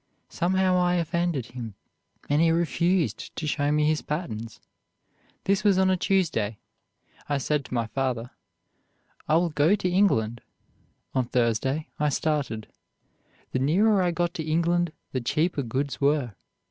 Somehow I offended him, and he refused to show me his patterns. This was on a Tuesday. I said to my father, 'I will go to England.' On Thursday I started. The nearer I got to England, the cheaper goods were.